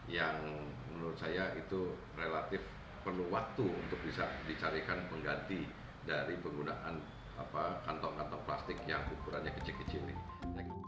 yang menurut saya itu relatif perlu waktu untuk bisa dicarikan pengganti dari penggunaan kantong kantong plastik yang ukurannya kecil kecil ini